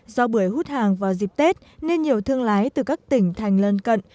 do bưởi hút hàng vào dịp tết nên nhiều thương lái từ các tỉnh thành lân cận